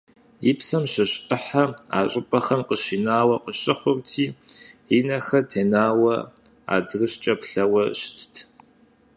И псэм щыщ Ӏыхьэ а щӀыпӀэхэм къыщинауэ къыщыхъурти, и нэхэр тенауэ адрыщӀкӀэ плъэуэ щытт.